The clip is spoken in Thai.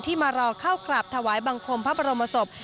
มารอเข้ากราบถวายบังคมพระบรมศพ